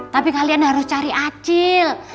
tapi kalian harus cari acil